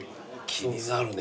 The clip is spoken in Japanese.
気になるね。